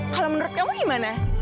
kalau menurut kamu gimana